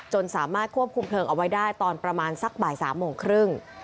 สามารถควบคุมเพลิงเอาไว้ได้ตอนประมาณสักบ่าย๓โมงครึ่ง